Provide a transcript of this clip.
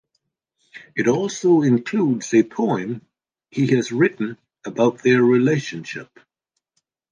It also includes a poem he has written about their relationship.